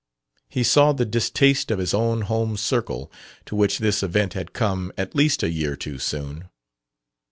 He saw the distaste of his own home circle, to which this event had come at least a year too soon.